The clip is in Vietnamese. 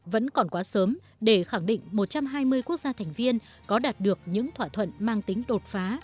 vẫn còn quá sớm để khẳng định một trăm hai mươi quốc gia thành viên có đạt được những thỏa thuận mang tính đột phá